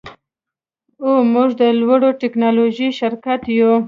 او موږ د لوړې ټیکنالوژۍ شرکت یو